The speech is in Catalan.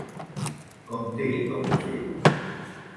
Com té el musell?